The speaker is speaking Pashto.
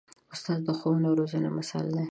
استاد د ښوونې او روزنې مثال دی.